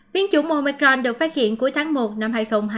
biến dụng omicron được phát hiện cuối tháng một năm hai nghìn hai mươi một